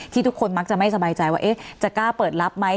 ทุกคนมักจะไม่สบายใจว่าจะกล้าเปิดรับไหม